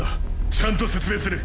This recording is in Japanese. ちゃんと説明する。